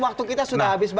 waktu kita sudah habis